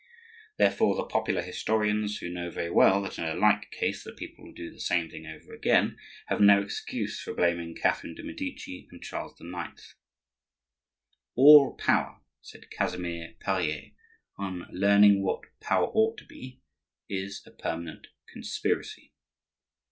Therefore the popular historians, who know very well that in a like case the people will do the same thing over again, have no excuse for blaming Catherine de' Medici and Charles IX. "All power," said Casimir Perier, on learning what power ought to be, "is a permanent conspiracy."